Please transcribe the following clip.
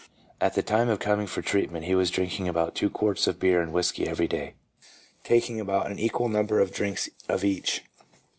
At the time of coming for treatment he was drinking about two quarts of beer and whisky every day, taking about an equal number of drinks of each.